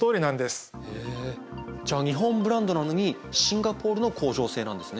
へえじゃあ日本ブランドなのにシンガポールの工場製なんですね。